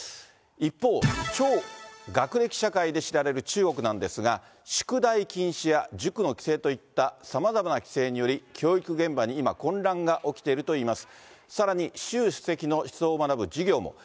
一方、超学歴社会で知られる中国なんですが、宿題禁止や塾の規制といったさまざまな規制により、教育現場に今、混乱が起きているといいます。